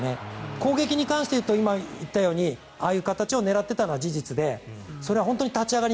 攻撃に関して言うと今言ったようにああいう形を狙っていたのは事実でそれは本当に立ち上がり